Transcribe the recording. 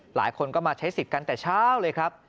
หลายคนก็มาใช้สิทธิ์กันแต่เช้าเลยครับ